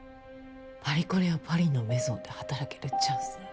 パリコレやパリのメゾンで働けるチャンスなんて